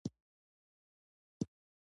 نه ورباندې فکري حساب کېدای شي.